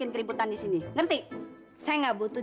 wah gitu banyak banget bos